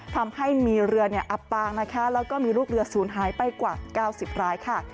ทำให้มีเรืออับปางนะคะแล้วก็มีลูกเรือศูนย์หายไปกว่า๙๐รายค่ะ